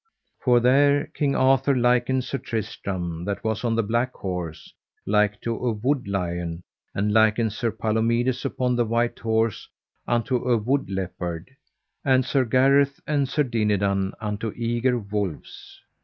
For there King Arthur likened Sir Tristram that was on the black horse like to a wood lion, and likened Sir Palomides upon the white horse unto a wood leopard, and Sir Gareth and Sir Dinadan unto eager wolves.